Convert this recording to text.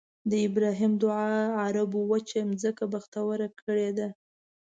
د ابراهیم دعا عربو وچه ځمکه بختوره کړې ده.